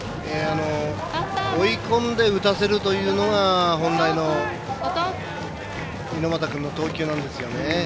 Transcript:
追い込んで打たせるというのが本来の猪俣君の投球なんですよね。